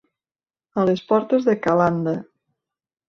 A les portes de Calanda.